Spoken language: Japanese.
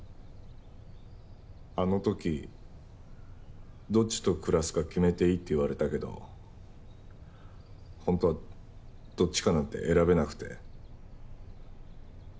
あの時どっちと暮らすか決めていいって言われたけど本当はどっちかなんて選べなくて。